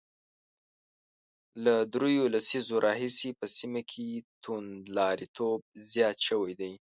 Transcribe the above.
له درېو لسیزو راهیسې په سیمه کې توندلاریتوب زیات شوی دی